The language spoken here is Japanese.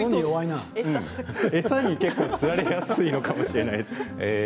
餌に結構つられやすいのかもしれないです。